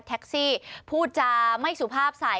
แท็กซี่พูดจาไม่สุภาพใส่